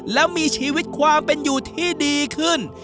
แล้วมีชีวิตความเป็นอยู่ที่ดีขึ้น